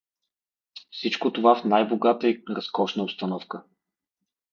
Всичко това в най-богата и разкошна обстановка.